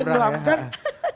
untuk praktek kurang boleh